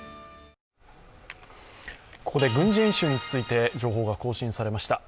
ここで軍事演習について情報が更新されました。